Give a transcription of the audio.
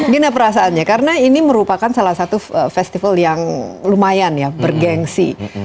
gimana perasaannya karena ini merupakan salah satu festival yang lumayan ya bergensi